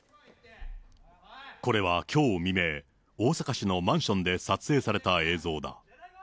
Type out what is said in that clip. これはきょう未明、大阪市のマンションで撮影された映像だ。